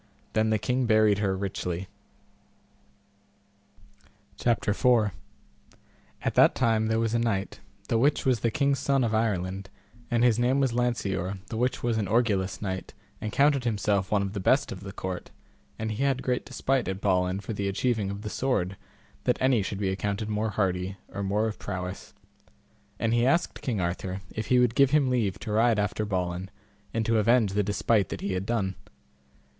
Then the king buried her richly. CHAPTER IV. How Merlin told the adventure of this damosel. At that time there was a knight, the which was the king's son of Ireland, and his name was Lanceor, the which was an orgulous knight, and counted himself one of the best of the court; and he had great despite at Balin for the achieving of the sword, that any should be accounted more hardy, or more of prowess; and he asked King Arthur if he would give him leave to ride after Balin and to revenge the despite that he had done.